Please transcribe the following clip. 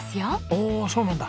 おおそうなんだ。